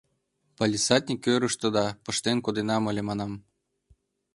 Палисадник кӧргышкыда пыштен коденам ыле манам...